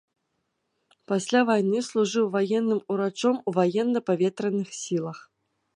Пасля вайны служыў ваенным урачом у ваенна-паветраных сілах.